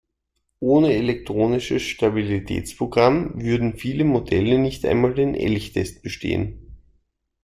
Ohne Elektronisches Stabilitätsprogramm würden viele Modelle nicht einmal den Elchtest bestehen.